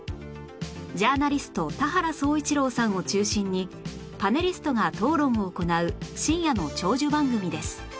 ジャーナリスト田原総一朗さんを中心にパネリストが討論を行う深夜の長寿番組です